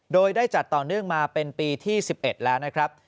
โดยได้จัดต่อเนื่องมาเป็นปีที่๑๑แล้วนะครับ